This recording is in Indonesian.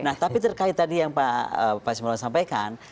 nah tapi terkait tadi yang pak simula sampaikan